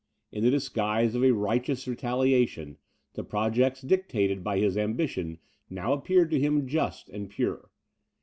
In the disguise of a righteous retaliation, the projects dictated by his ambition now appeared to him just and pure.